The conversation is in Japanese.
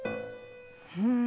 うん。